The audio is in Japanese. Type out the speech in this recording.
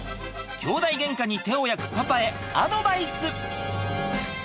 兄弟ゲンカに手を焼くパパへアドバイス。